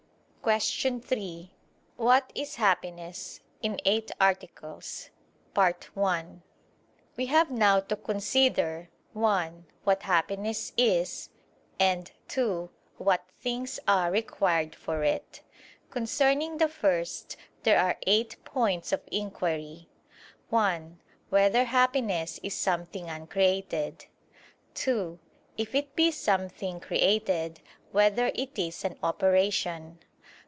________________________ QUESTION 3 WHAT IS HAPPINESS (In Eight Articles) We have now to consider (1) what happiness is, and (2) what things are required for it. Concerning the first there are eight points of inquiry: (1) Whether happiness is something uncreated? (2) If it be something created, whether it is an operation?